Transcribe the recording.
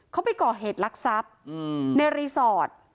เขาไปก่อเหตุลักษัพในรีสอร์ท